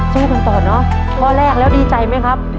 สู้กันต่อเนอะข้อแรกแล้วดีใจไหมครับ